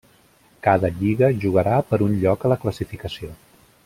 Cada lliga jugarà per un lloc a la classificació.